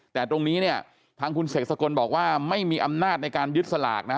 แต่ตรงนี้เนี่ยทางคุณเสกสกลบอกว่าไม่มีอำนาจในการยึดสลากนะฮะ